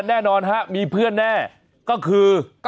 แน่นอนฮะมีเพื่อนแน่ก็คือ